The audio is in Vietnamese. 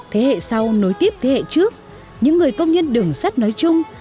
thế hệ sau nối tiếp thế hệ trước những người công nhân đường sắt nói chung